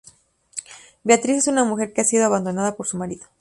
Beatriz es una mujer que ha sido abandonada por su marido.